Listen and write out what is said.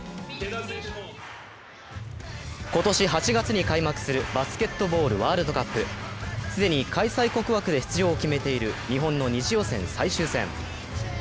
今年８月に開幕するバスケットボールワールドカップ。既に開催国枠で出場を決めている日本の２次予選最終戦。